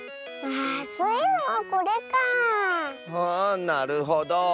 あなるほど。